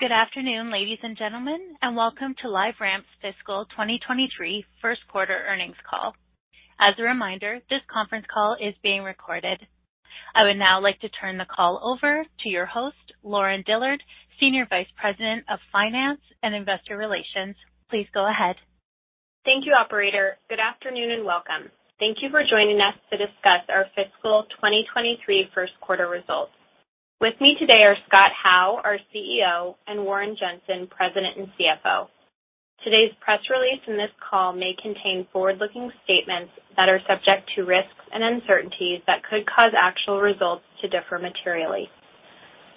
Good afternoon, ladies and gentlemen, and welcome to LiveRamp's fiscal 2023 first quarter earnings call. As a reminder, this conference call is being recorded. I would now like to turn the call over to your host, Lauren Dillard, Senior Vice President of Finance and Investor Relations. Please go ahead. Thank you, operator. Good afternoon, and welcome. Thank you for joining us to discuss our fiscal 2023 first quarter results. With me today are Scott Howe, our CEO, and Warren Jenson, President and CFO. Today's press release and this call may contain forward-looking statements that are subject to risks and uncertainties that could cause actual results to differ materially.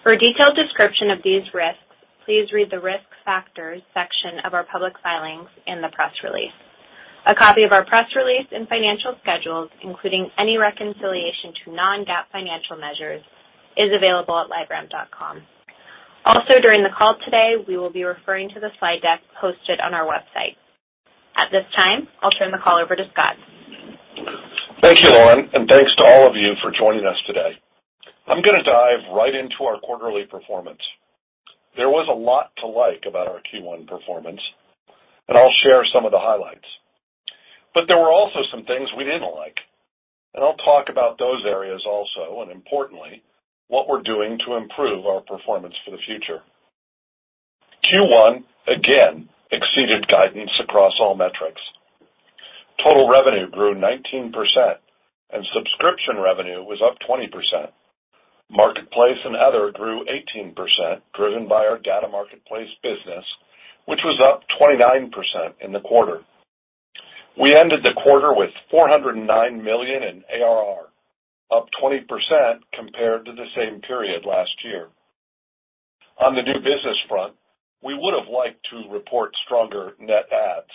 For a detailed description of these risks, please read the Risk Factors section of our public filings in the press release. A copy of our press release and financial schedules, including any reconciliation to non-GAAP financial measures, is available at liveramp.com. Also, during the call today, we will be referring to the slide deck posted on our website. At this time, I'll turn the call over to Scott. Thank you, Lauren, and thanks to all of you for joining us today. I'm going to dive right into our quarterly performance. There was a lot to like about our Q1 performance, and I'll share some of the highlights. There were also some things we didn't like, and I'll talk about those areas also, and importantly, what we're doing to improve our performance for the future. Q1, again, exceeded guidance across all metrics. Total revenue grew 19%, and subscription revenue was up 20%. Marketplace and other grew 18%, driven by our data marketplace business, which was up 29% in the quarter. We ended the quarter with $409 million in ARR, up 20% compared to the same period last year. On the new business front, we would have liked to report stronger net adds,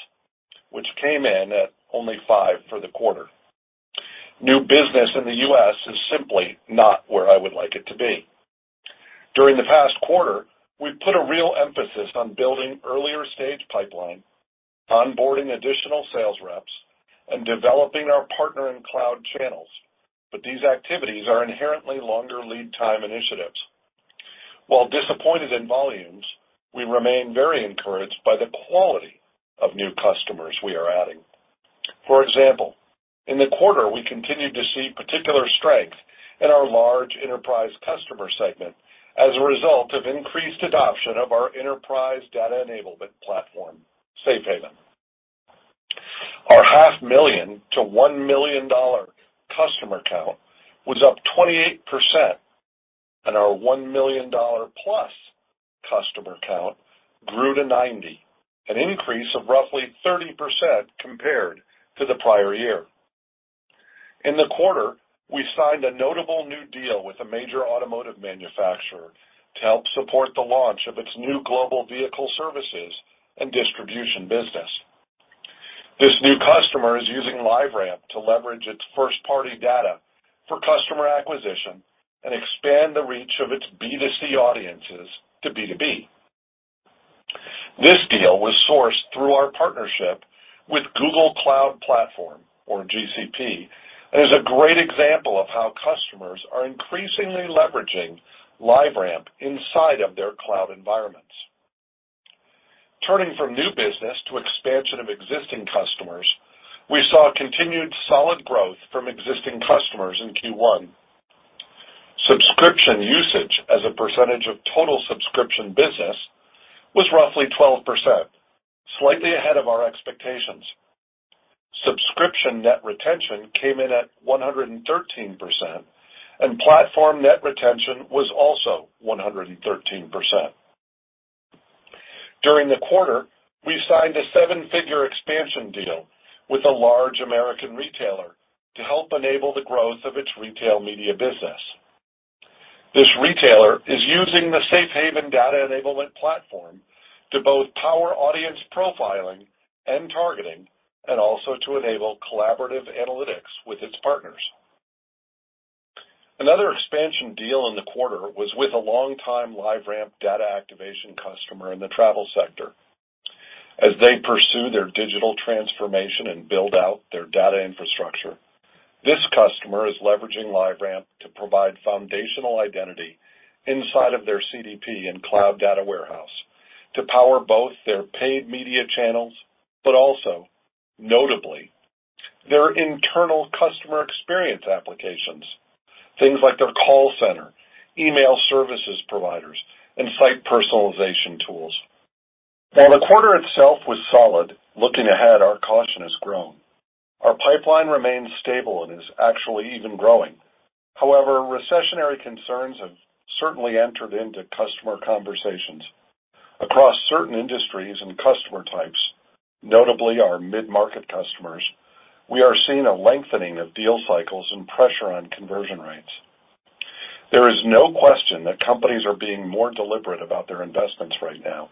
which came in at only five for the quarter. New business in the U.S. is simply not where I would like it to be. During the past quarter, we've put a real emphasis on building earlier stage pipeline, onboarding additional sales reps, and developing our partner and cloud channels, but these activities are inherently longer lead time initiatives. While disappointed in volumes, we remain very encouraged by the quality of new customers we are adding. For example, in the quarter, we continued to see particular strength in our large enterprise customer segment as a result of increased adoption of our enterprise data enablement platform, Safe Haven. Our $500,000-$1 million customer count was up 28%, and our $1+ million customer count grew to 90, an increase of roughly 30% compared to the prior year. In the quarter, we signed a notable new deal with a major automotive manufacturer to help support the launch of its new global vehicle services and distribution business. This new customer is using LiveRamp to leverage its first-party data for customer acquisition and expand the reach of its B2C audiences to B2B. This deal was sourced through our partnership with Google Cloud Platform or GCP, and is a great example of how customers are increasingly leveraging LiveRamp inside of their cloud environments. Turning from new business to expansion of existing customers, we saw continued solid growth from existing customers in Q1. Subscription usage as a percentage of total subscription business was roughly 12%, slightly ahead of our expectations. Subscription net retention came in at 113%, and platform net retention was also 113%. During the quarter, we signed a seven-figure expansion deal with a large American retailer to help enable the growth of its retail media business. This retailer is using the Safe Haven data enablement platform to both power audience profiling and targeting and also to enable collaborative analytics with its partners. Another expansion deal in the quarter was with a long-time LiveRamp data activation customer in the travel sector. As they pursue their digital transformation and build out their data infrastructure, this customer is leveraging LiveRamp to provide foundational identity inside of their CDP and cloud data warehouse to power both their paid media channels, but also notably, their internal customer experience applications, things like their call center, email service providers, and site personalization tools. While the quarter itself was solid, looking ahead, our caution has grown. Our pipeline remains stable and is actually even growing. However, recessionary concerns have certainly entered into customer conversations. Across certain industries and customer types, notably our mid-market customers, we are seeing a lengthening of deal cycles and pressure on conversion rates. There is no question that companies are being more deliberate about their investments right now.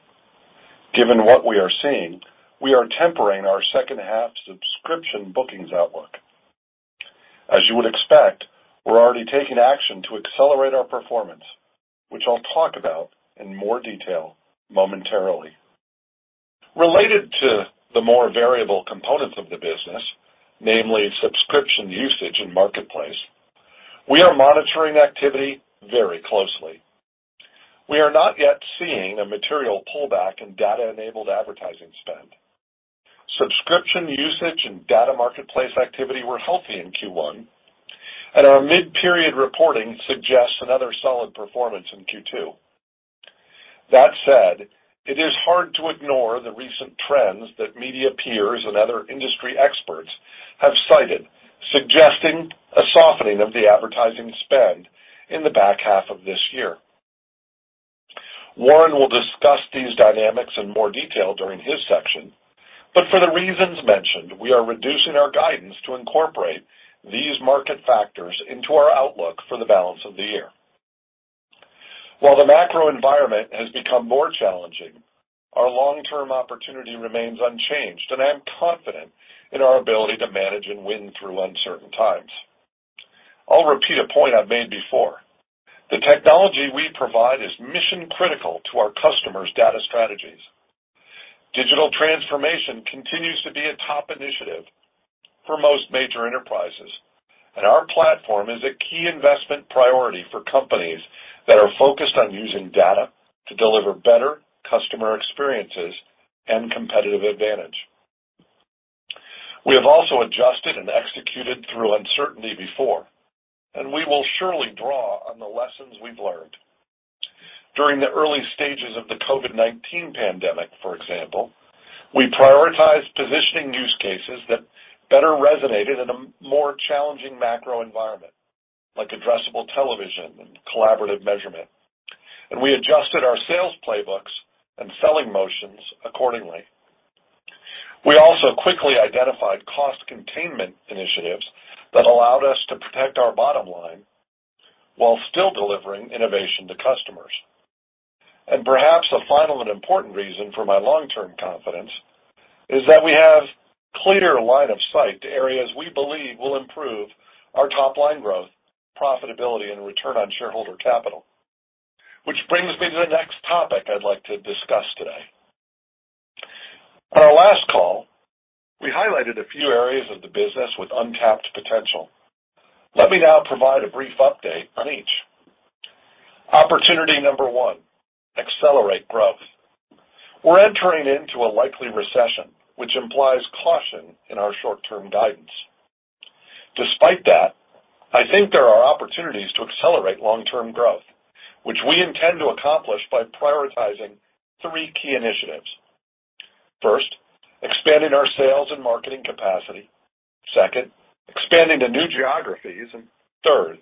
Given what we are seeing, we are tempering our second half subscription bookings outlook. As you would expect, we're already taking action to accelerate our performance, which I'll talk about in more detail momentarily. Related to the more variable components of the business, namely subscription usage and marketplace, we are monitoring activity very closely. We are not yet seeing a material pullback in data-enabled advertising spend. Subscription usage and data marketplace activity were healthy in Q1, and our mid-period reporting suggests another solid performance in Q2. That said, it is hard to ignore the recent trends that media peers and other industry experts have cited, suggesting a softening of the advertising spend in the back half of this year. Warren will discuss these dynamics in more detail during his section, but for the reasons mentioned, we are reducing our guidance to incorporate these market factors into our outlook for the balance of the year. While the macro environment has become more challenging, our long-term opportunity remains unchanged, and I am confident in our ability to manage and win through uncertain times. I'll repeat a point I've made before. The technology we provide is mission-critical to our customers' data strategies. Digital transformation continues to be a top initiative for most major enterprises, and our platform is a key investment priority for companies that are focused on using data to deliver better customer experiences and competitive advantage. We have also adjusted and executed through uncertainty before, and we will surely draw on the lessons we've learned. During the early stages of the COVID-19 pandemic, for example, we prioritized positioning use cases that better resonated in a more challenging macro environment, like addressable television and collaborative measurement, and we adjusted our sales playbooks and selling motions accordingly. We also quickly identified cost containment initiatives that allowed us to protect our bottom line while still delivering innovation to customers. Perhaps a final and important reason for my long-term confidence is that we have clear line of sight to areas we believe will improve our top-line growth, profitability, and return on shareholder capital. Which brings me to the next topic I'd like to discuss today. On our last call, we highlighted a few areas of the business with untapped potential. Let me now provide a brief update on each. Opportunity number one, accelerate growth. We're entering into a likely recession, which implies caution in our short-term guidance. Despite that, I think there are opportunities to accelerate long-term growth, which we intend to accomplish by prioritizing three key initiatives. First, expanding our sales and marketing capacity. Second, expanding to new geographies. Third,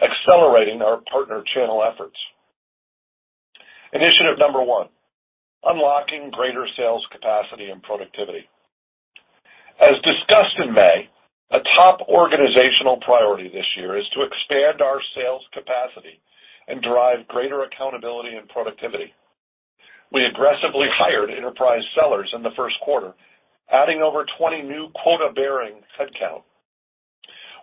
accelerating our partner channel efforts. Initiative number one, unlocking greater sales capacity and productivity. As discussed in May, a top organizational priority this year is to expand our sales capacity and drive greater accountability and productivity. We aggressively hired enterprise sellers in the first quarter, adding over 20 new quota-bearing headcount.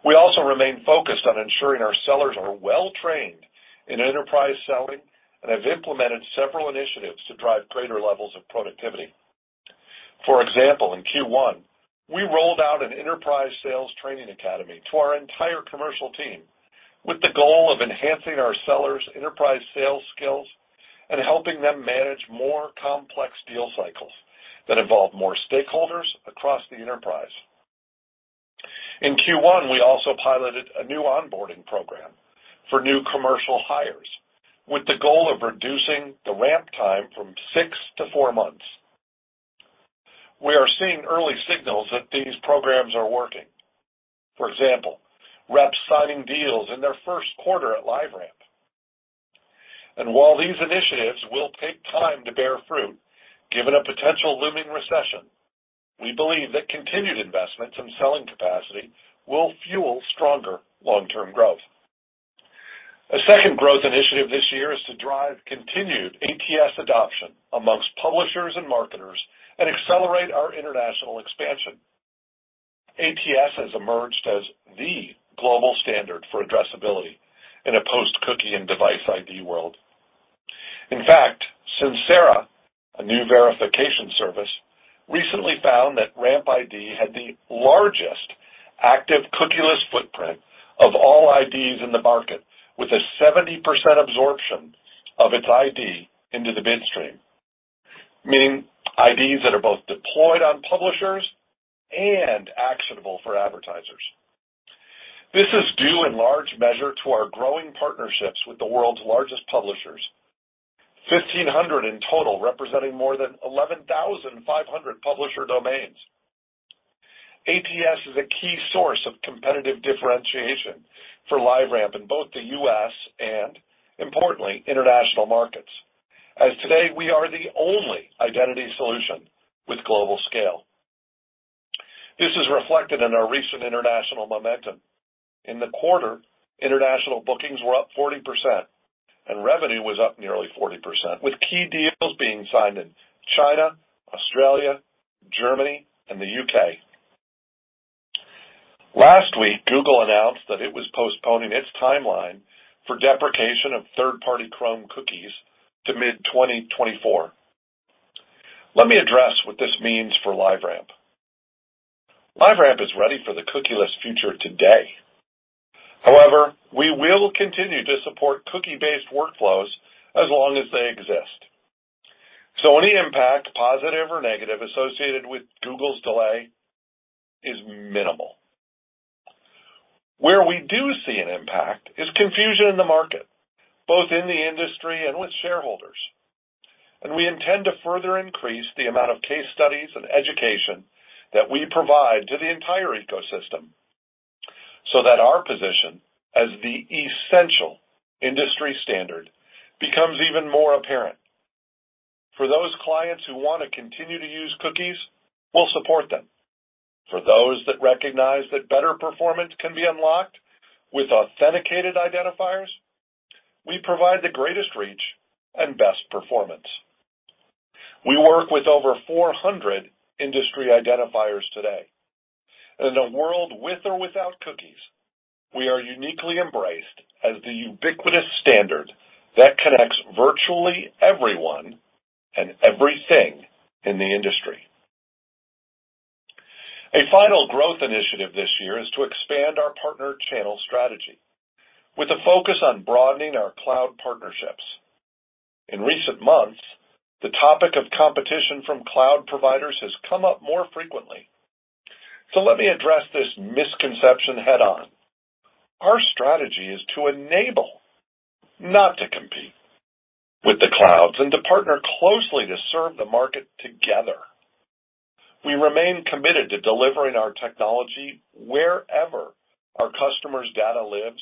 We also remain focused on ensuring our sellers are well-trained in enterprise selling and have implemented several initiatives to drive greater levels of productivity. For example, in Q1, we rolled out an enterprise sales training academy to our entire commercial team, with the goal of enhancing our sellers' enterprise sales skills and helping them manage more complex deal cycles that involve more stakeholders across the enterprise. In Q1, we also piloted a new onboarding program for new commercial hires, with the goal of reducing the ramp time from six to four months. We are seeing early signals that these programs are working. For example, reps signing deals in their first quarter at LiveRamp. While these initiatives will take time to bear fruit, given a potential looming recession, we believe that continued investments in selling capacity will fuel stronger long-term growth. A second growth initiative this year is to drive continued ATS adoption among publishers and marketers and accelerate our international expansion. ATS has emerged as the global standard for addressability in a post-cookie and device ID world. In fact, Sincera, a new verification service, recently found that Ramp ID had the largest active cookieless footprint of all IDs in the market, with a 70% absorption of its ID into the midstream, meaning IDs that are both deployed on publishers and actionable for advertisers. This is due in large measure to our growing partnerships with the world's largest publishers, 1,500 in total, representing more than 11,500 publisher domains. ATS is a key source of competitive differentiation for LiveRamp in both the U.S. and, importantly, international markets, as today we are the only identity solution with global scale. This is reflected in our recent international momentum. In the quarter, international bookings were up 40% and revenue was up nearly 40%, with key deals being signed in China, Australia, Germany, and the U.K. Google announced that it was postponing its timeline for deprecation of third-party Chrome cookies to mid-2024. Let me address what this means for LiveRamp. LiveRamp is ready for the cookieless future today. However, we will continue to support cookie-based workflows as long as they exist. Any impact, positive or negative, associated with Google's delay is minimal. Where we do see an impact is confusion in the market, both in the industry and with shareholders. We intend to further increase the amount of case studies and education that we provide to the entire ecosystem so that our position as the essential industry standard becomes even more apparent. For those clients who want to continue to use cookies, we'll support them. For those that recognize that better performance can be unlocked with authenticated identifiers, we provide the greatest reach and best performance. We work with over 400 industry identifiers today. In a world with or without cookies, we are uniquely embraced as the ubiquitous standard that connects virtually everyone and everything in the industry. A final growth initiative this year is to expand our partner channel strategy with a focus on broadening our cloud partnerships. In recent months, the topic of competition from cloud providers has come up more frequently. Let me address this misconception head-on. Our strategy is to enable, not to compete, with the clouds and to partner closely to serve the market together. We remain committed to delivering our technology wherever our customer's data lives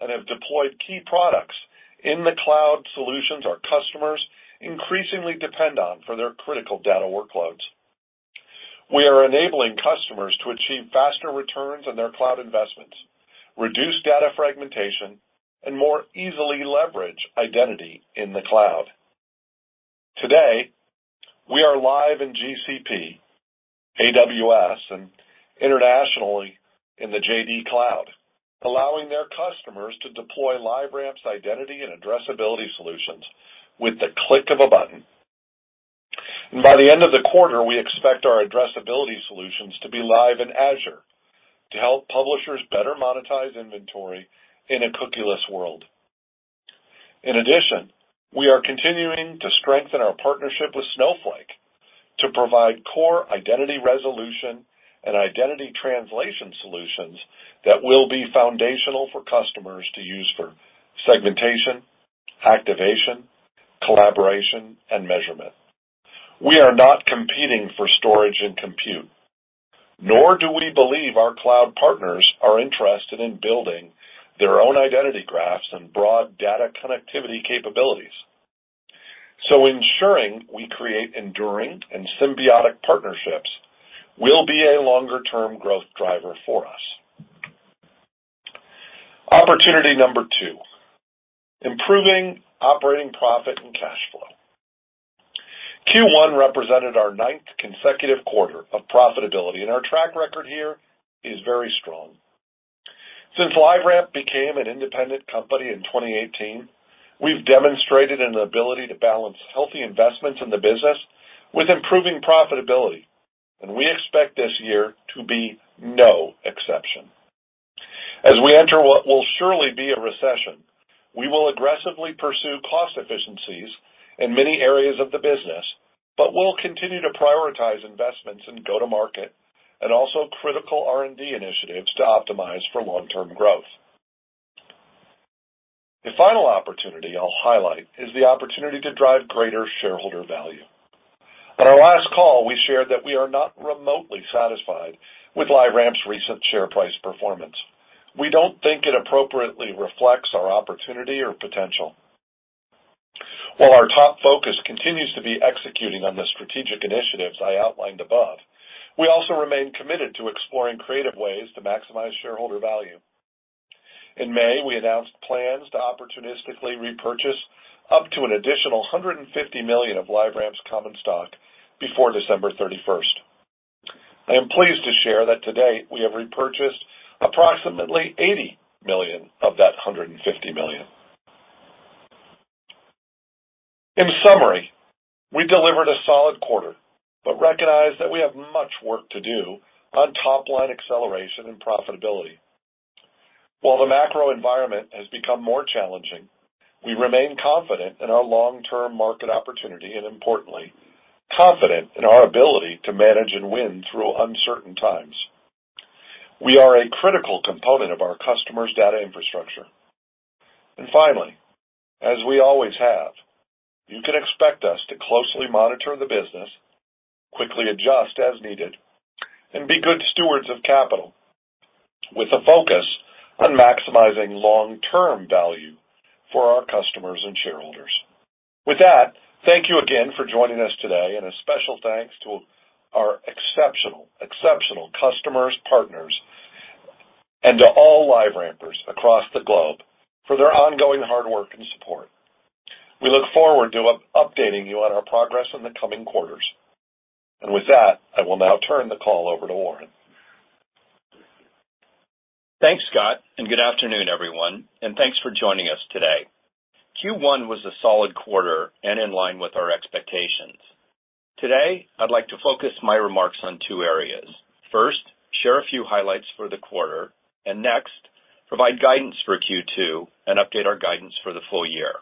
and have deployed key products in the cloud solutions our customers increasingly depend on for their critical data workloads. We are enabling customers to achieve faster returns on their cloud investments, reduce data fragmentation, and more easily leverage identity in the cloud. Today, we are live in GCP, AWS, and internationally in the JD Cloud, allowing their customers to deploy LiveRamp's identity and addressability solutions with the click of a button. By the end of the quarter, we expect our addressability solutions to be live in Azure to help publishers better monetize inventory in a cookieless world. In addition, we are continuing to strengthen our partnership with Snowflake to provide core identity resolution and identity translation solutions that will be foundational for customers to use for segmentation, activation, collaboration, and measurement. We are not competing for storage and compute, nor do we believe our cloud partners are interested in building their own identity graphs and broad data connectivity capabilities. Ensuring we create enduring and symbiotic partnerships will be a longer-term growth driver for us. Opportunity number two, improving operating profit and cash flow. Q1 represented our ninth consecutive quarter of profitability, and our track record here is very strong. Since LiveRamp became an independent company in 2018, we've demonstrated an ability to balance healthy investments in the business with improving profitability, and we expect this year to be no exception. As we enter what will surely be a recession, we will aggressively pursue cost efficiencies in many areas of the business, but we'll continue to prioritize investments and go to market and also critical R&D initiatives to optimize for long-term growth. The final opportunity I'll highlight is the opportunity to drive greater shareholder value. On our last call, we shared that we are not remotely satisfied with LiveRamp's recent share price performance. We don't think it appropriately reflects our opportunity or potential. While our top focus continues to be executing on the strategic initiatives I outlined above, we also remain committed to exploring creative ways to maximize shareholder value. In May, we announced plans to opportunistically repurchase up to an additional 150 million of LiveRamp's common stock before December 31st. I am pleased to share that today we have repurchased approximately 80 million of that 150 million. In summary, we delivered a solid quarter, but recognize that we have much work to do on top-line acceleration and profitability. While the macro environment has become more challenging, we remain confident in our long-term market opportunity and, importantly, confident in our ability to manage and win through uncertain times. We are a critical component of our customer's data infrastructure. Finally, as we always have, you can expect us to closely monitor the business, quickly adjust as needed, and be good stewards of capital with a focus on maximizing long-term value for our customers and shareholders. With that, thank you again for joining us today, and a special thanks to our exceptional customers, partners, and to all LiveRampers across the globe for their ongoing hard work and support. We look forward to updating you on our progress in the coming quarters. With that, I will now turn the call over to Warren. Thanks, Scott, and good afternoon, everyone, and thanks for joining us today. Q1 was a solid quarter and in line with our expectations. Today, I'd like to focus my remarks on two areas. First, share a few highlights for the quarter and next, provide guidance for Q2 and update our guidance for the full year.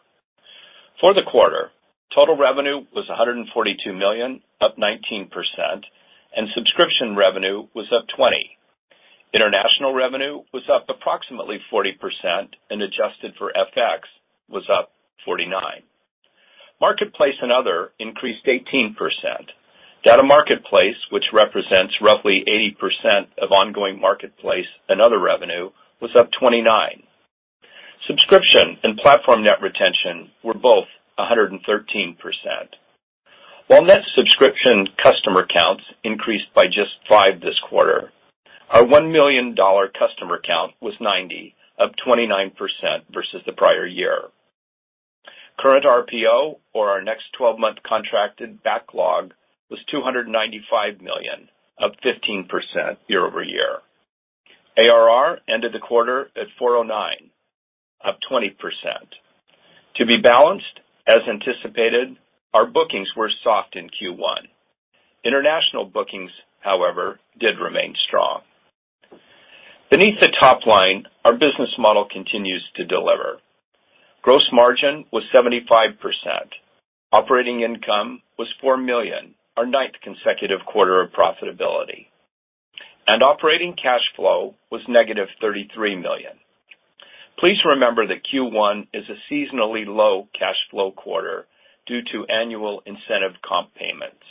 For the quarter, total revenue was $142 million, up 19%, and subscription revenue was up 20%. International revenue was up approximately 40% and adjusted for FX was up 49%. Marketplace and other increased 18%. Data Marketplace, which represents roughly 8% of ongoing marketplace and other revenue, was up 29%. Subscription and platform net retention were both 113%. While net subscription customer counts increased by just five this quarter, our $1 million customer count was 90, up 29% versus the prior year. Current RPO, or our next 12-month contracted backlog, was $295 million, up 15% year-over-year. ARR ended the quarter at $409 million, up 20%. To be balanced, as anticipated, our bookings were soft in Q1. International bookings, however, did remain strong. Beneath the top line, our business model continues to deliver. Gross margin was 75%. Operating income was $4 million, our ninth consecutive quarter of profitability. Operating cash flow was negative $33 million. Please remember that Q1 is a seasonally low cash flow quarter due to annual incentive comp payments.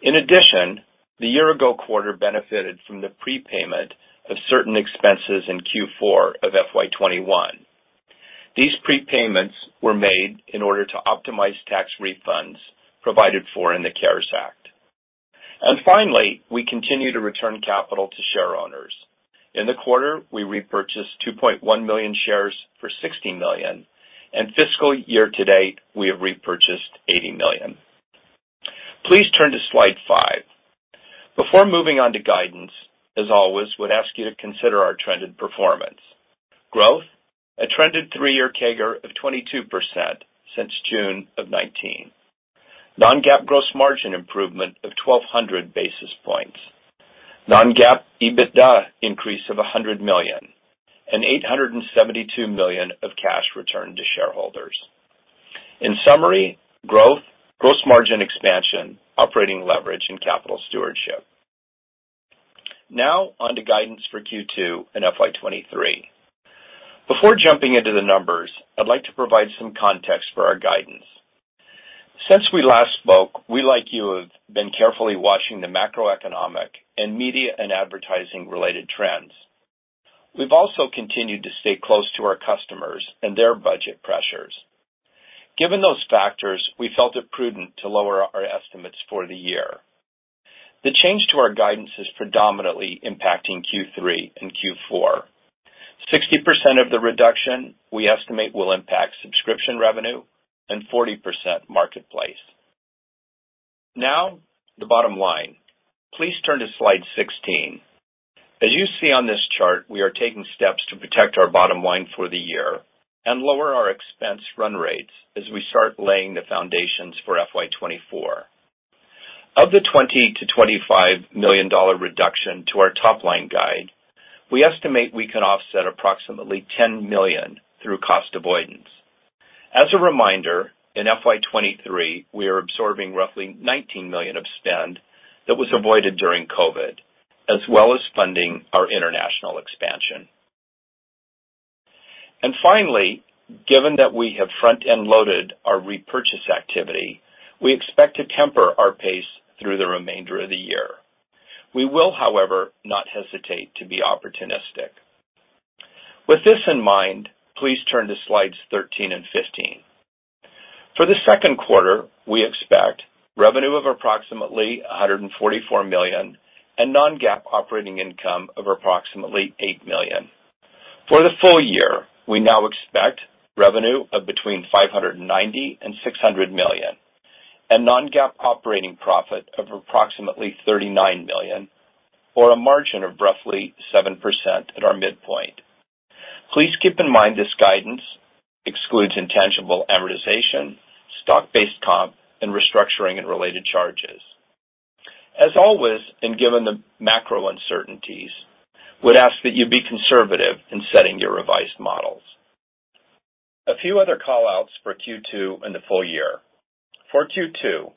In addition, the year ago quarter benefited from the prepayment of certain expenses in Q4 of FY 2021. These prepayments were made in order to optimize tax refunds provided for in the CARES Act. Finally, we continue to return capital to shareowners. In the quarter, we repurchased 2.1 million shares for $60 million, and fiscal year to date, we have repurchased $80 million. Please turn to slide five. Before moving on to guidance, as always, we'd ask you to consider our trended performance. Growth, a trended three-year CAGR of 22% since June of 2019. Non-GAAP gross margin improvement of 1,200 basis points. Non-GAAP EBITDA increase of $100 million, and $872 million of cash returned to shareholders. In summary, growth, gross margin expansion, operating leverage, and capital stewardship. Now on to guidance for Q2 and FY 2023. Before jumping into the numbers, I'd like to provide some context for our guidance. Since we last spoke, we, like you, have been carefully watching the macroeconomic and media and advertising-related trends. We've also continued to stay close to our customers and their budget pressures. Given those factors, we felt it prudent to lower our estimates for the year. The change to our guidance is predominantly impacting Q3 and Q4. 60% of the reduction we estimate will impact subscription revenue and 40% marketplace. Now, the bottom line. Please turn to slide 16. As you see on this chart, we are taking steps to protect our bottom line for the year and lower our expense run rates as we start laying the foundations for FY 2024. Of the $20 million-$25 million reduction to our top-line guide, we estimate we can offset approximately $10 million through cost avoidance. As a reminder, in FY 2023, we are absorbing roughly $19 million of spend that was avoided during COVID, as well as funding our international expansion. Finally, given that we have front-end loaded our repurchase activity, we expect to temper our pace through the remainder of the year. We will, however, not hesitate to be opportunistic. With this in mind, please turn to slides 13 and 15. For the second quarter, we expect revenue of approximately $144 million and non-GAAP operating income of approximately $8 million. For the full year, we now expect revenue of between $590 million and $600 million and non-GAAP operating profit of approximately $39 million or a margin of roughly 7% at our midpoint. Please keep in mind this guidance excludes intangible amortization, stock-based comp, and restructuring and related charges. As always, and given the macro uncertainties, we'd ask that you be conservative in setting your revised models. A few other call-outs for Q2 and the full year. For Q2,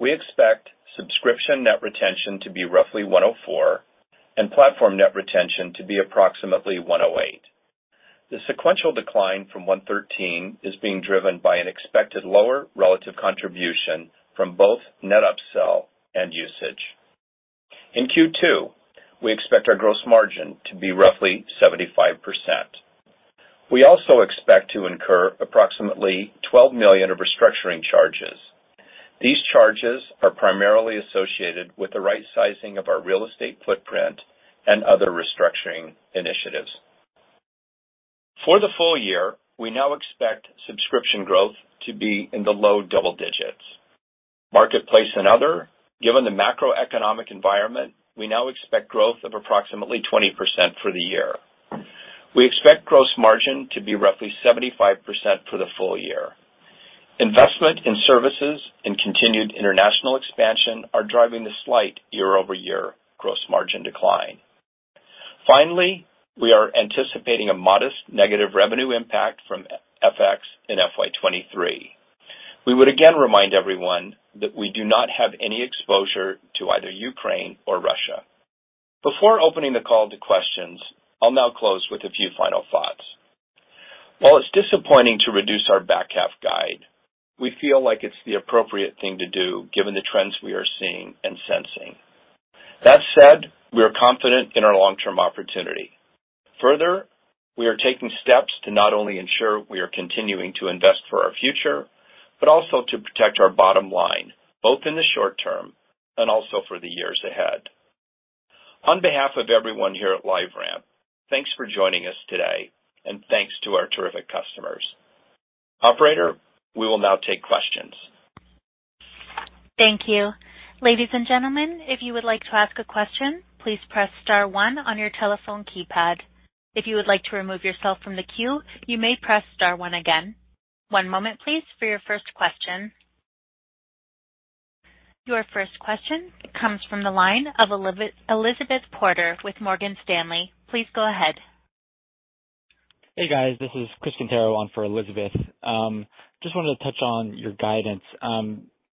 we expect subscription net retention to be roughly 104 and platform net retention to be approximately 108. The sequential decline from 113 is being driven by an expected lower relative contribution from both net upsell and usage. In Q2, we expect our gross margin to be roughly 75%. We also expect to incur approximately $12 million of restructuring charges. These charges are primarily associated with the right sizing of our real estate footprint and other restructuring initiatives. For the full year, we now expect subscription growth to be in the low double digits. Marketplace and other, given the macroeconomic environment, we now expect growth of approximately 20% for the year. We expect gross margin to be roughly 75% for the full year. Investment in services and continued international expansion are driving the slight year-over-year gross margin decline. Finally, we are anticipating a modest negative revenue impact from FX in FY 2023. We would again remind everyone that we do not have any exposure to either Ukraine or Russia. Before opening the call to questions, I'll now close with a few final thoughts. While it's disappointing to reduce our back half guide, we feel like it's the appropriate thing to do given the trends we are seeing and sensing. That said, we are confident in our long-term opportunity. Further, we are taking steps to not only ensure we are continuing to invest for our future, but also to protect our bottom line, both in the short-term and also for the years ahead. On behalf of everyone here at LiveRamp, thanks for joining us today, and thanks to our terrific customers. Operator, we will now take questions. Thank you. Ladies and gentlemen, if you would like to ask a question, please press star-one on your telephone keypad. If you would like to remove yourself from the queue, you may press star-one again. One moment please for your first question. Your first question comes from the line of Elizabeth Porter with Morgan Stanley. Please go ahead. Hey, guys. This is Chris Quintero on for Elizabeth. Just wanted to touch on your guidance.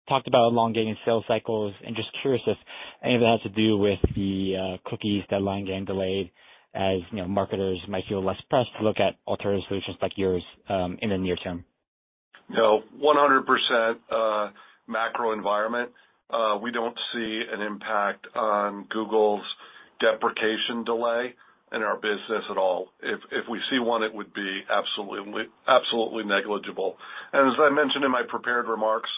Talked about elongating sales cycles and just curious if any of that has to do with the cookies deadline getting delayed as, you know, marketers might feel less pressed to look at alternative solutions like yours in the near-term. No, 100%, macro environment, we don't see an impact on Google's deprecation delay in our business at all. If we see one, it would be absolutely negligible. As I mentioned in my prepared remarks,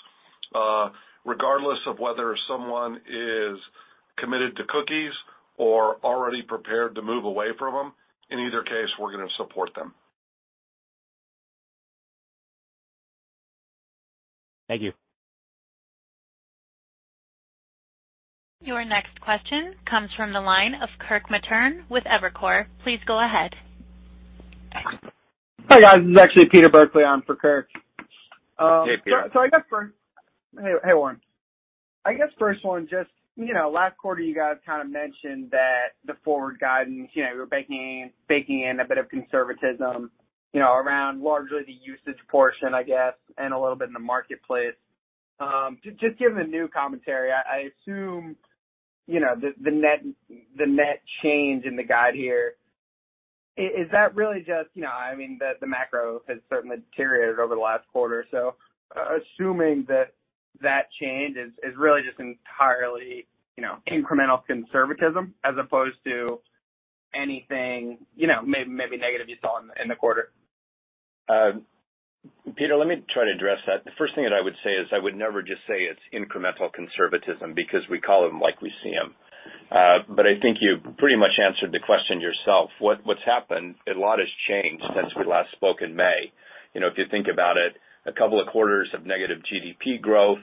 regardless of whether someone is committed to cookies or already prepared to move away from them, in either case, we're going to support them. Thank you. Your next question comes from the line of Kirk Materne with Evercore. Please go ahead. Hi, guys. This is actually Peter Burkly on for Kirk Materne. Hey, Peter. Hey, Warren. I guess first one, just, you know, last quarter you guys kind of mentioned that the forward guidance, you know, you were baking in a bit of conservatism, you know, around largely the usage portion, I guess, and a little bit in the marketplace. Just given the new commentary, I assume, you know, the net change in the guide here, is that really just, you know? I mean, the macro has certainly deteriorated over the last quarter. Assuming that change is really just entirely, you know, incremental conservatism as opposed to anything, you know, maybe negative you saw in the quarter. Peter, let me try to address that. The first thing that I would say is I would never just say it's incremental conservatism because we call them like we see them. I think you pretty much answered the question yourself. What's happened, a lot has changed since we last spoke in May. You know, if you think about it, a couple of quarters of negative GDP growth,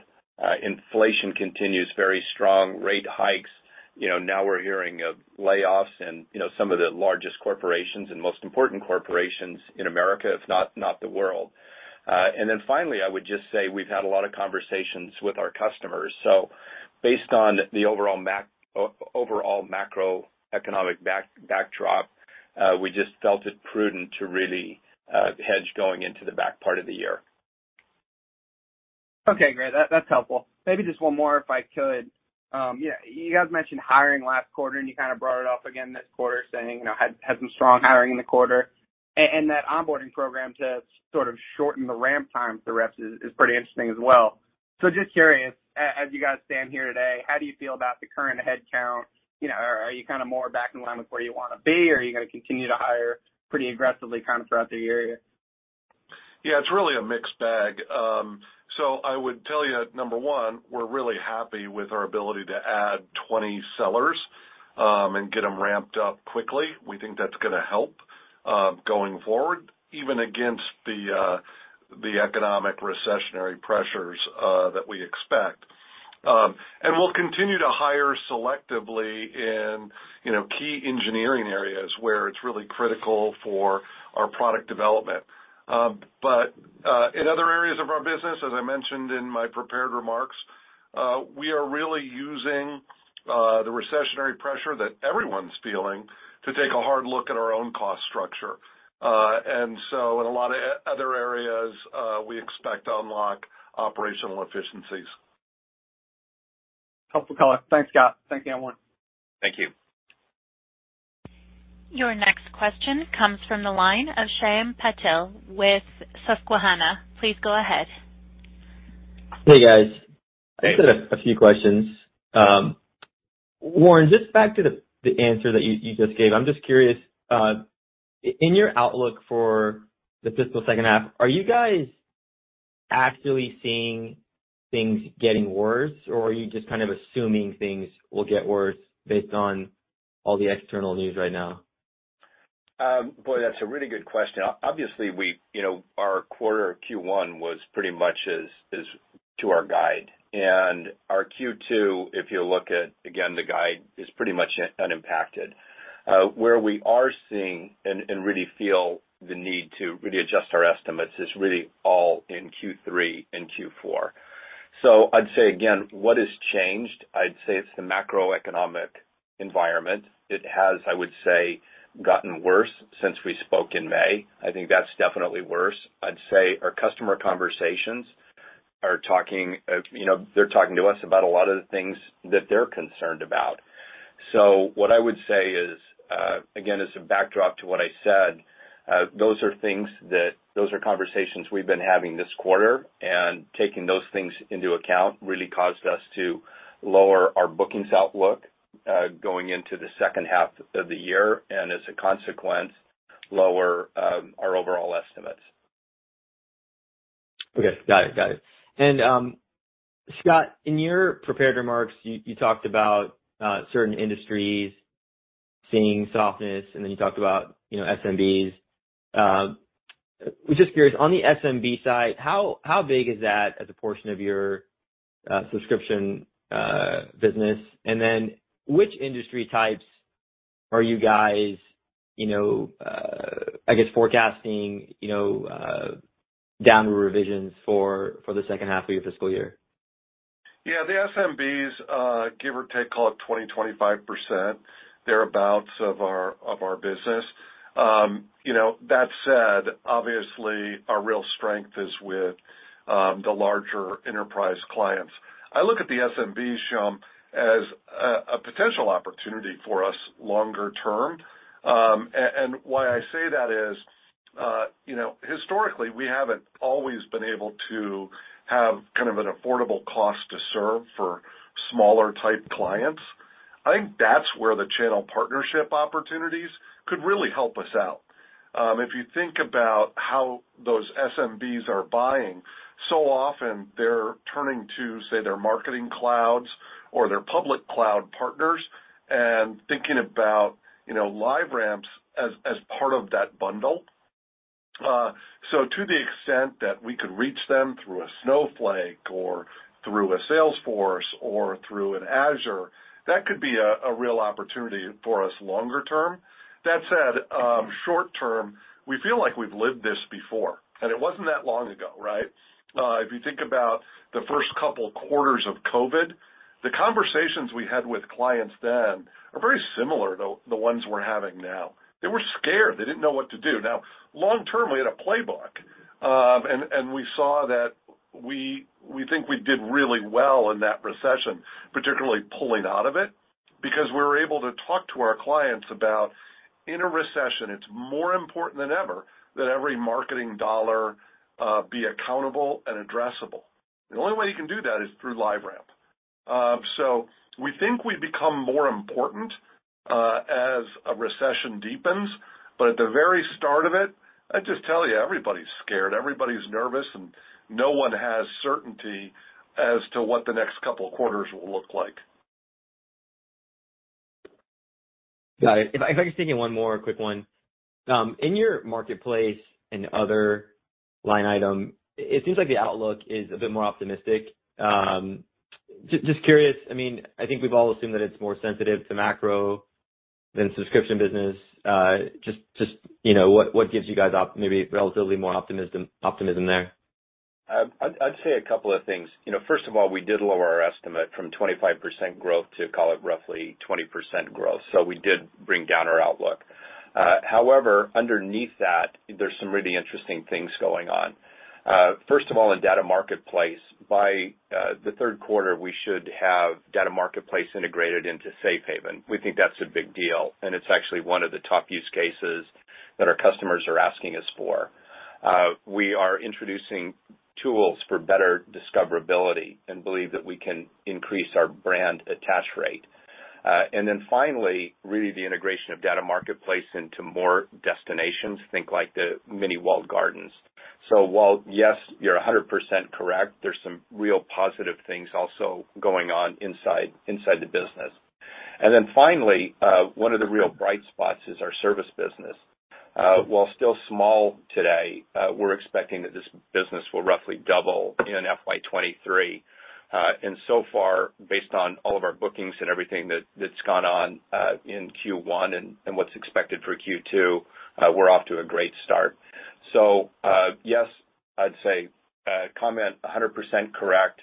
inflation continues very strong, rate hikes. You know, now we're hearing of layoffs in some of the largest corporations and most important corporations in America, if not the world. And then finally, I would just say we've had a lot of conversations with our customers. Based on the overall macroeconomic backdrop, we just felt it prudent to really hedge going into the back part of the year. Okay, great. That's helpful. Maybe just one more, if I could. Yeah, you guys mentioned hiring last quarter, and you kind of brought it up again this quarter saying, you know, had some strong hiring in the quarter. And that onboarding program to sort of shorten the ramp time for reps is pretty interesting as well. Just curious, as you guys stand here today, how do you feel about the current headcount? You know, are you kind of more back in line with where you want to be, or are you going to continue to hire pretty aggressively kind of throughout the year? Yeah, it's really a mixed bag. I would tell you that number one, we're really happy with our ability to add 20 sellers and get them ramped up quickly. We think that's going to help going forward, even against the economic recessionary pressures that we expect. We'll continue to hire selectively in, you know, key engineering areas where it's really critical for our product development. In other areas of our business, as I mentioned in my prepared remarks, we are really using the recessionary pressure that everyone's feeling to take a hard look at our own cost structure. In a lot of other areas, we expect to unlock operational efficiencies. Helpful color. Thanks, guys. Thank you, Warren. Thank you. Your next question comes from the line of Shyam Patil with Susquehanna. Please go ahead. Hey, guys. Hey. I just had a few questions. Warren, just back to the answer that you just gave. I'm just curious, in your outlook for the fiscal second half, are you guys actually seeing things getting worse or are you just kind of assuming things will get worse based on all the external news right now? Boy, that's a really good question. Obviously, we, you know, our quarter Q1 was pretty much as to our guide. Our Q2, if you look at, again, the guide, is pretty much unimpacted. Where we are seeing and really feel the need to really adjust our estimates is really all in Q3 and Q4. I'd say again, what has changed? I'd say it's the macroeconomic environment. It has, I would say, gotten worse since we spoke in May. I think that's definitely worse. I'd say our customer conversations, you know, they're talking to us about a lot of the things that they're concerned about. What I would say is, again, as a backdrop to what I said, those are things that. Those are conversations we've been having this quarter, and taking those things into account really caused us to lower our bookings outlook, going into the second half of the year, and as a consequence, lower our overall estimates. Got it. Scott, in your prepared remarks, you talked about certain industries seeing softness, and then you talked about, you know, SMBs. Just curious, on the SMB side, how big is that as a portion of your subscription business? Which industry types are you guys, you know, I guess, forecasting downward revisions for the second half of your fiscal year? Yeah. The SMBs, give or take, call it 20%, 25% thereabouts of our business. You know, that said, obviously, our real strength is with the larger enterprise clients. I look at the SMBs, Shyam, as a potential opportunity for us longer-term. And why I say that is, you know, historically, we haven't always been able to have kind of an affordable cost to serve for smaller type clients. I think that's where the channel partnership opportunities could really help us out. If you think about how those SMBs are buying, so often they're turning to, say, their marketing clouds or their public cloud partners and thinking about, you know, LiveRamp's as part of that bundle. To the extent that we could reach them through a Snowflake or through a Salesforce or through an Azure, that could be a real opportunity for us longer-term. That said, short-term, we feel like we've lived this before, and it wasn't that long ago, right? If you think about the first couple quarters of COVID, the conversations we had with clients then are very similar to the ones we're having now. They were scared. They didn't know what to do. Now, long-term, we had a playbook, and we saw that we think we did really well in that recession, particularly pulling out of it, because we were able to talk to our clients about in a recession, it's more important than ever that every marketing dollar be accountable and addressable. The only way you can do that is through LiveRamp. We think we become more important as a recession deepens. At the very start of it, I just tell you, everybody's scared, everybody's nervous, and no one has certainty as to what the next couple of quarters will look like. Got it. If I could just take one more quick one. In your marketplace and other line item, it seems like the outlook is a bit more optimistic. Just curious, I mean, I think we've all assumed that it's more sensitive to macro than subscription business. Just, you know, what gives you guys maybe relatively more optimism there? I'd say a couple of things. You know, first of all, we did lower our estimate from 25% growth to call it roughly 20% growth. We did bring down our outlook. However, underneath that, there's some really interesting things going on. First of all, in Data Marketplace, by the third quarter, we should have Data Marketplace integrated into Safe Haven. We think that's a big deal, and it's actually one of the top use cases that our customers are asking us for. We are introducing tools for better discoverability and believe that we can increase our brand attach rate. And then finally, really the integration of Data Marketplace into more destinations, think like the mini walled gardens. While, yes, you're 100% correct, there's some real positive things also going on inside the business. Finally, one of the real bright spots is our service business. While still small today, we're expecting that this business will roughly double in FY 2023. So far, based on all of our bookings and everything that's gone on in Q1 and what's expected for Q2, we're off to a great start. Yes, I'd say comment 100% correct.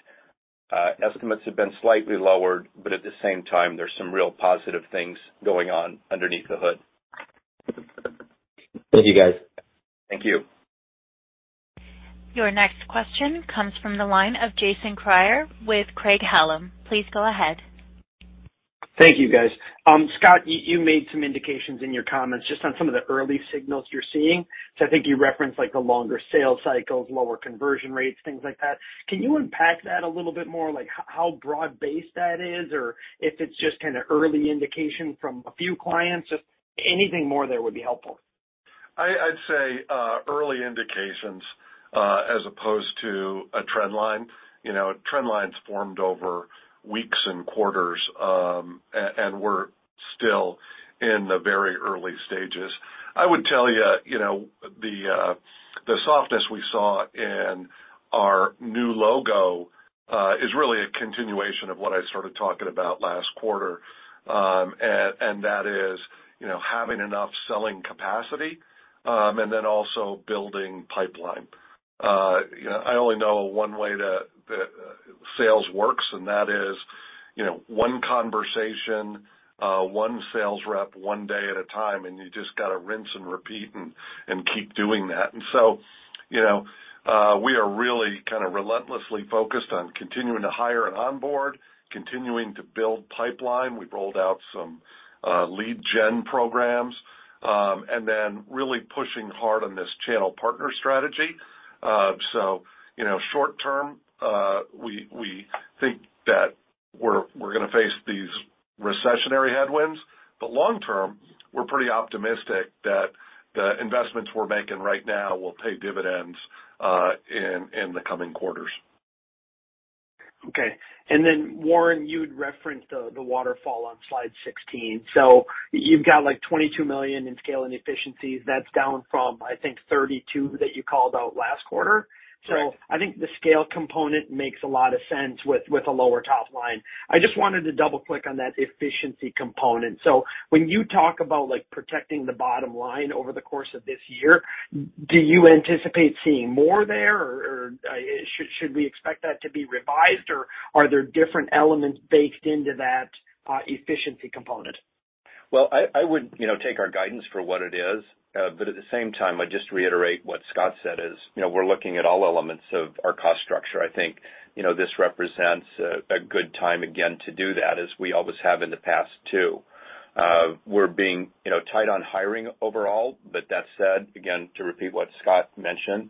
Estimates have been slightly lowered, but at the same time, there's some real positive things going on underneath the hood. Thank you, guys. Thank you. Your next question comes from the line of Jason Kreyer with Craig-Hallum. Please go ahead. Thank you, guys. Scott, you made some indications in your comments just on some of the early signals you're seeing. I think you referenced, like, the longer sales cycles, lower conversion rates, things like that. Can you unpack that a little bit more? Like how broad-based that is or if it's just kind of early indication from a few clients? Just anything more there would be helpful. I'd say early indications as opposed to a trend line. You know, trend line's formed over weeks and quarters, and we're still in the very early stages. I would tell you know, the softness we saw in our new logo is really a continuation of what I started talking about last quarter. And that is, you know, having enough selling capacity, and then also building pipeline. You know, I only know one way that sales works, and that is, you know, one conversation, one sales rep, one day at a time, and you just gotta rinse and repeat and keep doing that. You know, we are really kind of relentlessly focused on continuing to hire and onboard, continuing to build pipeline. We've rolled out some lead gen programs, and then really pushing hard on this channel partner strategy. You know, short-term, we think that we're going to face these recessionary headwinds, but long-term, we're pretty optimistic that the investments we're making right now will pay dividends in the coming quarters. Okay. Warren, you had referenced the waterfall on slide 16. You've got, like, $22 million in scale and efficiencies. That's down from, I think, $32 million that you called out last quarter. I think the scale component makes a lot of sense with a lower top line. I just wanted to double-click on that efficiency component. When you talk about, like, protecting the bottom line over the course of this year, do you anticipate seeing more there, or should we expect that to be revised, or are there different elements baked into that efficiency component? Well, I would, you know, take our guidance for what it is. At the same time, I'd just reiterate what Scott said is, you know, we're looking at all elements of our cost structure. I think, you know, this represents a good time again to do that as we always have in the past too. We're being, you know, tight on hiring overall, but that said, again, to repeat what Scott mentioned,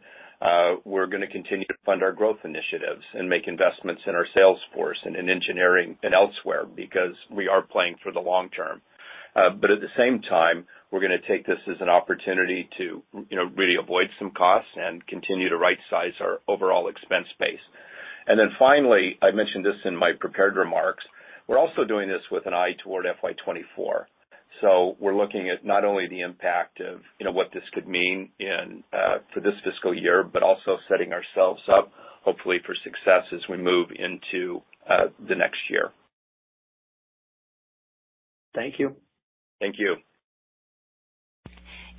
we're going to continue to fund our growth initiatives and make investments in our sales force and in engineering and elsewhere because we are playing for the long-term. At the same time, we're going to take this as an opportunity to, you know, really avoid some costs and continue to rightsize our overall expense base. Then finally, I mentioned this in my prepared remarks. We're also doing this with an eye toward FY 2024. We're looking at not only the impact of, you know, what this could mean in, for this fiscal year, but also setting ourselves up, hopefully for success as we move into, the next year. Thank you. Thank you.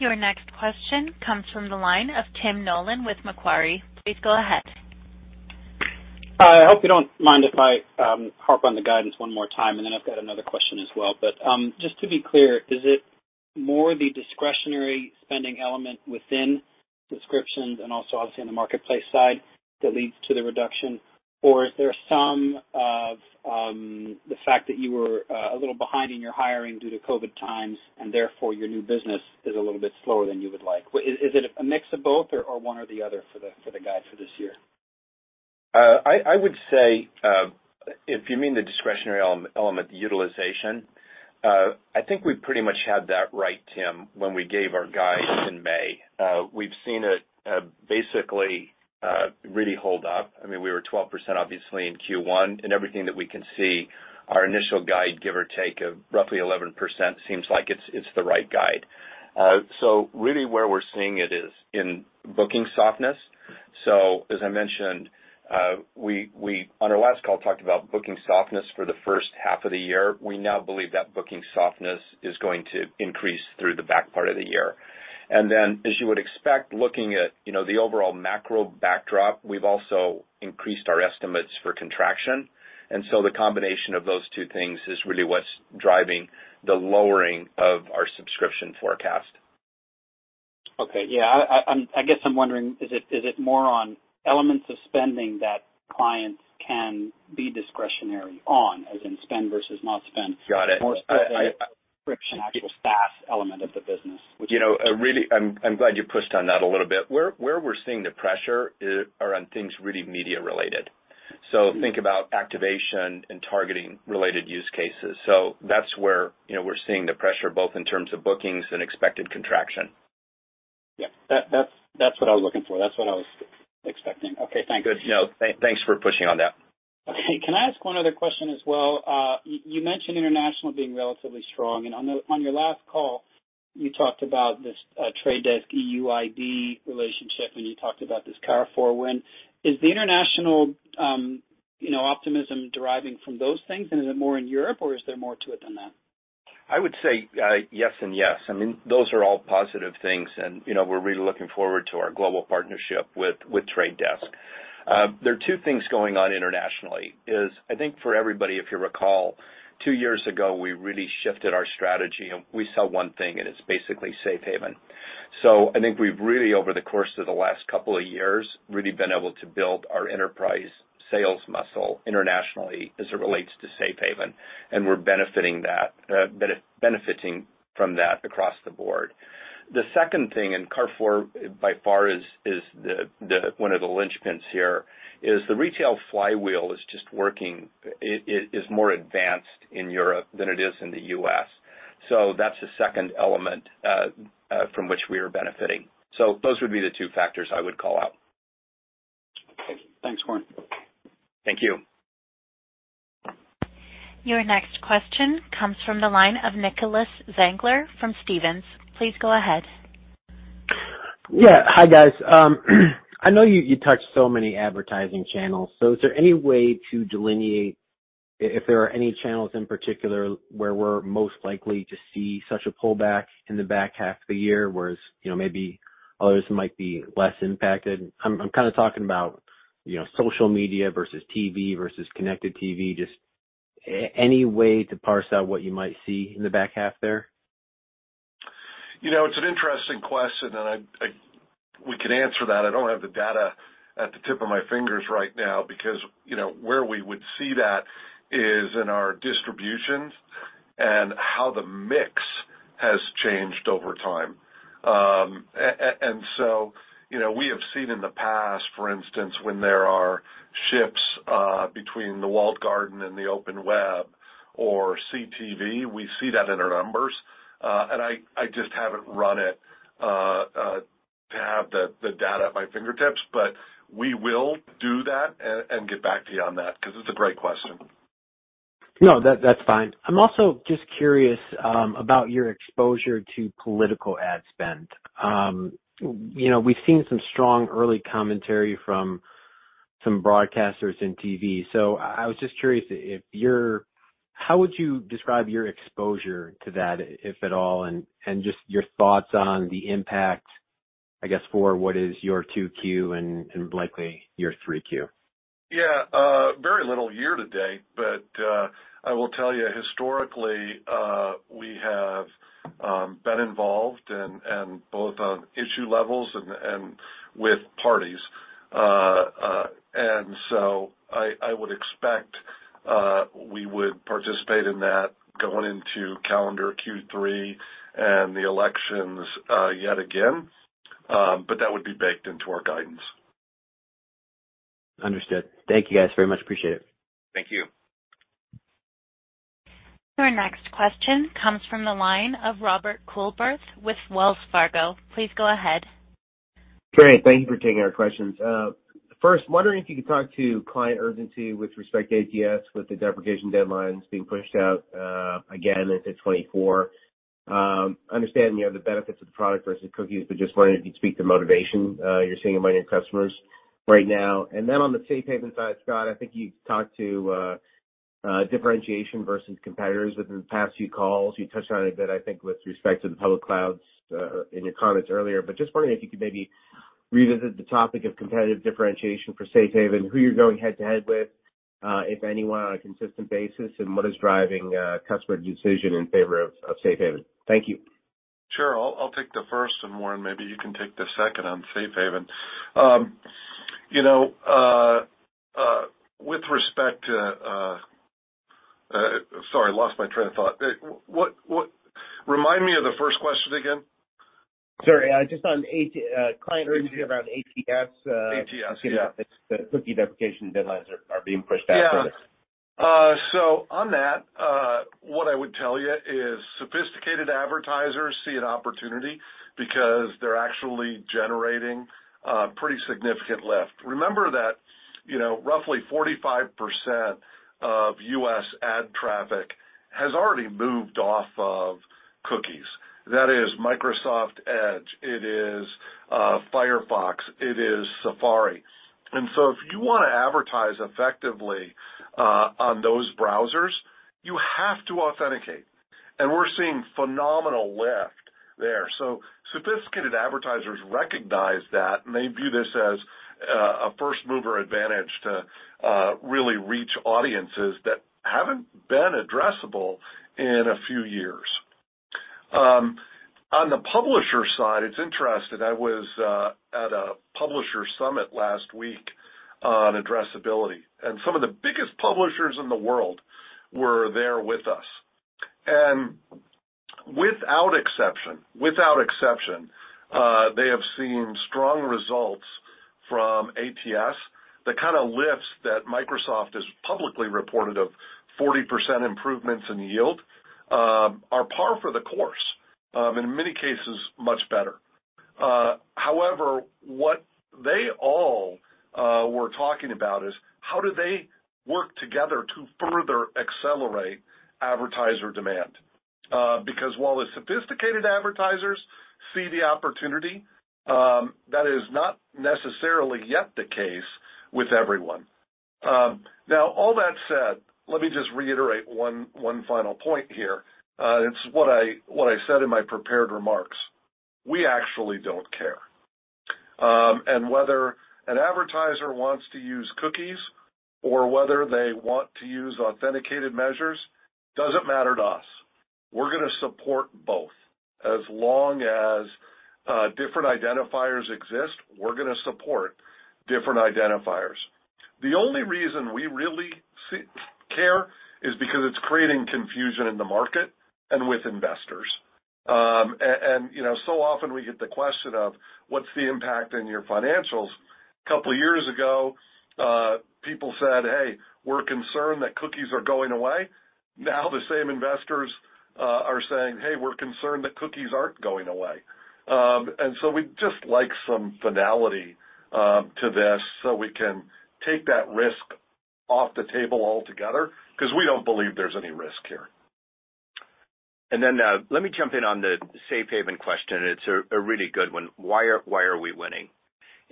Your next question comes from the line of Tim Nollen with Macquarie. Please go ahead. Hi. I hope you don't mind if I harp on the guidance one more time, and then I've got another question as well. Just to be clear, is it more the discretionary spending element within subscriptions and also obviously on the marketplace side that leads to the reduction, or is there some of the fact that you were a little behind in your hiring due to COVID-19 times, and therefore your new business is a little bit slower than you would like? Is it a mix of both or one or the other for the guidance for this year? I would say, if you mean the discretionary element, the utilization, I think we pretty much had that right, Tim, when we gave our guide in May. We've seen it, basically, really hold up. I mean, we were 12% obviously in Q1, and everything that we can see, our initial guide, give or take of roughly 11%, seems like it's the right guide. Really where we're seeing it is in booking softness. As I mentioned, we on our last call, talked about booking softness for the first half of the year. We now believe that booking softness is going to increase through the back part of the year. Then as you would expect, looking at, you know, the overall macro backdrop, we've also increased our estimates for contraction. The combination of those two things is really what's driving the lowering of our subscription forecast. Okay. Yeah. I guess I'm wondering, is it more on elements of spending that clients can be discretionary on, as in spend versus not spend? Is it the subscription, actual SaaS element of the business? You know, really, I'm glad you pushed on that a little bit. Where we're seeing the pressure is on things really media related. Think about activation and targeting related use cases. That's where, you know, we're seeing the pressure both in terms of bookings and expected contraction. Yeah. That's what I was looking for. That's what I was expecting. Okay, thank you. Good. No, thanks for pushing on that. Okay. Can I ask one other question as well? You mentioned international being relatively strong, and on your last call, you talked about this Trade Desk EUID relationship, and you talked about this Carrefour win. Is the international, you know, optimism deriving from those things, and is it more in Europe, or is there more to it than that? I would say, yes and yes. I mean, those are all positive things and, you know, we're really looking forward to our global partnership with The Trade Desk. There are two things going on internationally. I think for everybody, if you recall, two years ago, we really shifted our strategy, and we sell one thing, and it's basically Safe Haven. I think we've really over the course of the last couple of years been able to build our enterprise sales muscle internationally as it relates to Safe Haven, and we're benefiting from that across the board. The second thing, Carrefour by far is the one of the linchpins here, is the retail flywheel is just working. It is more advanced in Europe than it is in the U.S. That's the second element from which we are benefiting. Those would be the two factors I would call out. Thanks, Warren. Thank you. Your next question comes from the line of Nicholas Zangler from Stephens. Please go ahead. Yeah. Hi, guys. I know you touched so many advertising channels, so is there any way to delineate if there are any channels in particular where we're most likely to see such a pullback in the back half of the year, whereas, you know, maybe others might be less impacted? I'm kind of talking about, you know, social media versus TV versus connected TV. Just any way to parse out what you might see in the back half there? You know, it's an interesting question, and we can answer that. I don't have the data at the tip of my fingers right now because, you know, where we would see that is in our distributions and how the mix has changed over time. And so, you know, we have seen in the past, for instance, when there are shifts between the walled garden and the open web or CTV, we see that in our numbers. And I just haven't run it to have the data at my fingertips. We will do that and get back to you on that because it's a great question. No, that's fine. I'm also just curious about your exposure to political ad spend. You know, we've seen some strong early commentary from some broadcasters in TV. I was just curious how you would describe your exposure to that, if at all, and just your thoughts on the impact, I guess, for what is your 2Q and likely your 3Q? Yeah. Very little year to date. I will tell you historically, we have been involved and both on issue levels and with parties. I would expect we would participate in that going into calendar Q3 and the elections yet again. That would be baked into our guidance. Understood. Thank you guys very much. Appreciate it. Thank you. Your next question comes from the line of Robert Coolbrith with Wells Fargo. Please go ahead. Great. Thank you for taking our questions. First, wondering if you could talk to client urgency with respect to ATS, with the deprecation deadlines being pushed out again into 2024. Understanding, you know, the benefits of the product versus cookies, but just wondering if you could speak to motivation you're seeing among your customers right now. Then on the Safe Haven side, Scott, I think you talked to differentiation versus competitors within the past few calls. You touched on it a bit, I think, with respect to the public clouds in your comments earlier. But just wondering if you could maybe revisit the topic of competitive differentiation for Safe Haven, who you're going head to head with, if anyone on a consistent basis, and what is driving customer decision in favor of Safe Haven. Thank you. Sure. I'll take the first one, Warren. Maybe you can take the second on Safe Haven. Sorry, I lost my train of thought. What? Remind me of the first question again. Sorry. Just on AT, client urgency around ATS. The cookie deprecation deadlines are being pushed back for this. Yeah. On that, what I would tell you is sophisticated advertisers see an opportunity because they're actually generating pretty significant lift. Remember that, you know, roughly 45% of U.S. ad traffic has already moved off of cookies. That is Microsoft Edge, it is Firefox, it is Safari. If you want to advertise effectively on those browsers, you have to authenticate. We're seeing phenomenal lift there. Sophisticated advertisers recognize that, and they view this as a first mover advantage to really reach audiences that haven't been addressable in a few years. On the publisher side, it's interesting. I was at a publisher summit last week on addressability, and some of the biggest publishers in the world were there with us. Without exception, they have seen strong results from ATS. The kind of lifts that Microsoft has publicly reported of 40% improvements in yield are par for the course, and in many cases, much better. However, what they all were talking about is how do they work together to further accelerate advertiser demand? Because while the sophisticated advertisers see the opportunity, that is not necessarily yet the case with everyone. Now all that said, let me just reiterate one final point here, and it's what I said in my prepared remarks: We actually don't care. Whether an advertiser wants to use cookies or whether they want to use authenticated measures doesn't matter to us. We're going to support both. As long as different identifiers exist, we're going to support different identifiers. The only reason we really care is because it's creating confusion in the market and with investors. You know, so often we get the question of, "What's the impact on your financials?" A couple years ago, people said, "Hey, we're concerned that cookies are going away." Now the same investors are saying, "Hey, we're concerned that cookies aren't going away." We'd just like some finality to this so we can take that risk off the table altogether because we don't believe there's any risk here. Let me jump in on the Safe Haven question. It's a really good one. Why are we winning?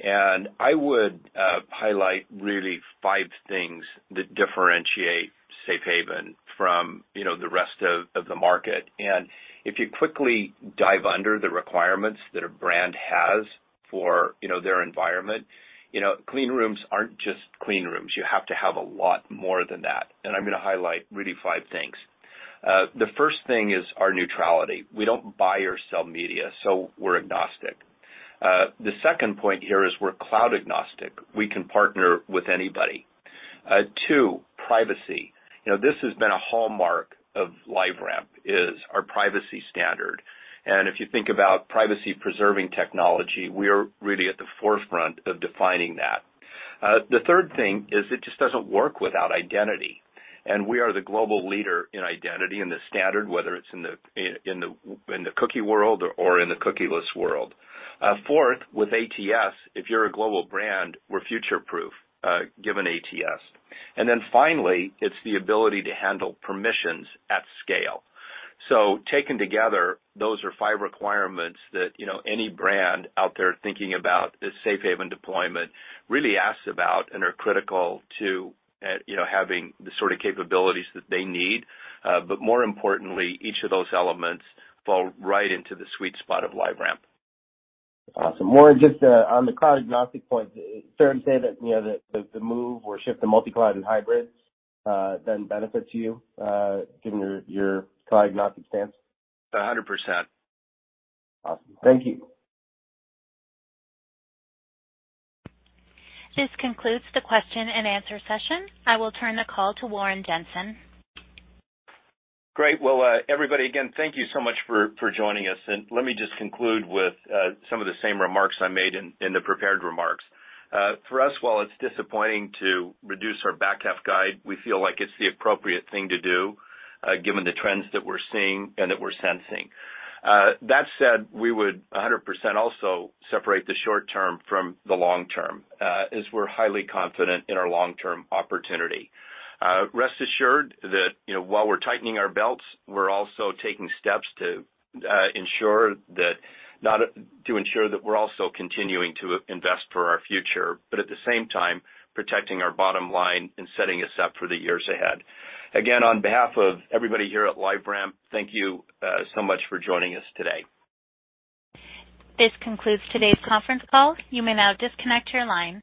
I would highlight really five things that differentiate Safe Haven from, you know, the rest of the market. If you quickly dive into the requirements that a brand has for, you know, their environment, you know, clean rooms aren't just clean rooms. You have to have a lot more than that. I'm going to highlight really five things. The first thing is our neutrality. We don't buy or sell media, so we're agnostic. The second point here is we're cloud agnostic. We can partner with anybody. Too, privacy. You know, this has been a hallmark of LiveRamp is our privacy standard. If you think about privacy-preserving technology, we are really at the forefront of defining that. The third thing is it just doesn't work without identity, and we are the global leader in identity and the standard, whether it's in the cookie world or in the cookieless world. Fourth, with ATS, if you're a global brand, we're future proof, given ATS. Finally, it's the ability to handle permissions at scale. Taken together, those are five requirements that, you know, any brand out there thinking about a Safe Haven deployment really asks about and are critical to, you know, having the sort of capabilities that they need. More importantly, each of those elements fall right into the sweet spot of LiveRamp. Awesome. More just on the cloud agnostic point. Is it fair to say that, you know, that the move or shift to multi-cloud and hybrid then benefits you, given your cloud agnostic stance? 100%. Awesome. Thank you. This concludes the question-and-answer session. I will turn the call to Warren Jenson. Great. Well, everybody, again, thank you so much for joining us. Let me just conclude with some of the same remarks I made in the prepared remarks. For us, while it's disappointing to reduce our back half guide, we feel like it's the appropriate thing to do, given the trends that we're seeing and that we're sensing. That said, we would 100% also separate the short-term from the long-term, as we're highly confident in our long-term opportunity. Rest assured that, you know, while we're tightening our belts, we're also taking steps to ensure that we're also continuing to invest for our future, but at the same time, protecting our bottom line and setting us up for the years ahead. Again, on behalf of everybody here at LiveRamp, thank you so much for joining us today. This concludes today's conference call. You may now disconnect your line.